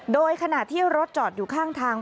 โดยขณะที่รถจอดอยู่ข้างทาง